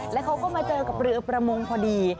แล้วเขาก็มาเจอกับเรือประมงพอดี